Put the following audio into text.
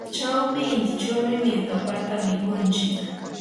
chawpi intichawmi mirkapata mikunchik.